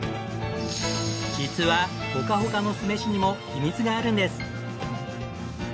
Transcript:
実はホカホカの酢飯にも秘密があるんです。